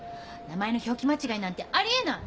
名前の表記間違いなんてあり得ない！